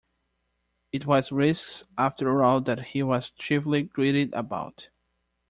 It was risks after all that he was chiefly greedy about.